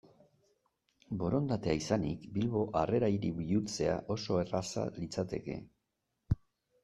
Borondatea izanik, Bilbo Harrera Hiri bihurtzea oso erraza litzateke.